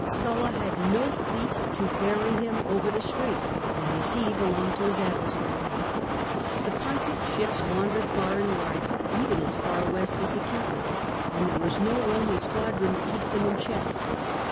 Sulla had no fleet to ferry him over the strait, and the sea belonged to his adversaries. The Pontic ships wandered far and wide, even as far west as ZacynthuS; and there was no Koman squadron to keep them in check.